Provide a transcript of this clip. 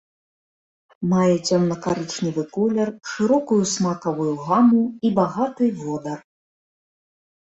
Мае цёмна-карычневы колер, шырокую смакавую гаму і багаты водар.